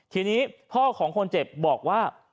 ทีนี้พ่อของคนเจ็บบอกว่า